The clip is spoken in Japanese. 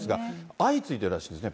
相次いでるらしいですね。